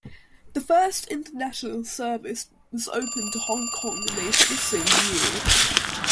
The first international service was opened to Hong Kong later the same year.